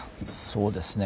そうですね